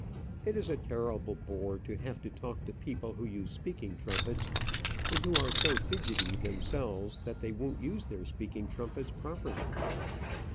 It is a terrible bore to have to talk to people who use speaking trumpets, and who are so fidgety themselves that they won't use their speaking trumpets properly.